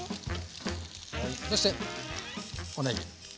そしておねぎ。